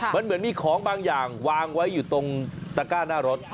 มันเหมือนมีของบางอย่างวางไว้อยู่ตรงตะก้าหน้ารถ